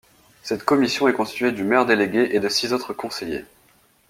Cette commission est constituée du maire délégué et de six autres conseillers.